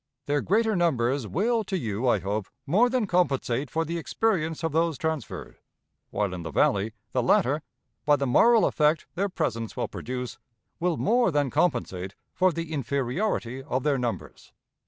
Their greater numbers will to you, I hope, more than compensate for the experience of those transferred; while, in the Valley, the latter, by the moral effect their presence will produce, will more than compensate for the inferiority of their numbers.